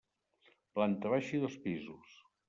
Planta baixa i dos pisos.